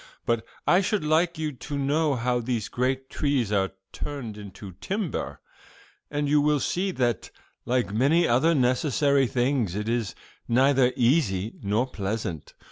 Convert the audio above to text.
But I should like you to know how these great trees are turned into timber, and you will see that, like many other necessary things, it is neither easy nor pleasant.